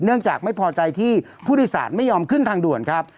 จากไม่พอใจที่ผู้โดยสารไม่ยอมขึ้นทางด่วนครับ